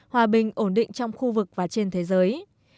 hòa bình ổn định trong khu vực và trên thế giới